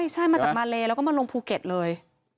ใช่มาจากมาเลแล้วก็มาลงภูเก็ตเลย